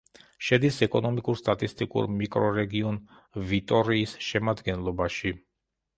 შედის ეკონომიკურ-სტატისტიკურ მიკრორეგიონ ვიტორიის შემადგენლობაში.